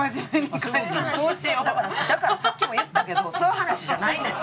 だからさっきも言ったけどそういう話じゃないねん。